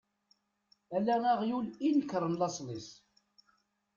Ala aɣyul i inekren lasel-is.